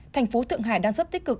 thành phố thượng hải đang rất tích cực